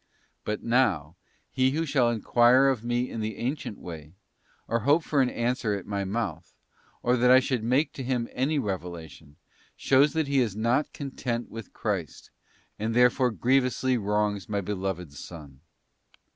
But, now, he who shall enquire of Me in the ancient way, or hope for an answer at My mouth, or that I should make to him any revelation, shows that he is not content with Christ, and therefore grievously wrongs My Beloved Son.